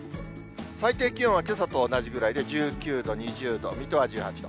最低気温はけさと同じぐらいで１９度、２０度、水戸は１８度。